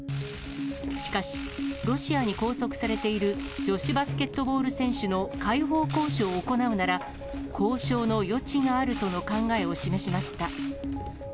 しかし、ロシアに拘束されている女子バスケットボール選手の解放交渉を行うなら、交渉の余地があるとの考えを示しました。